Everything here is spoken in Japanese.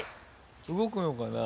動くのかな？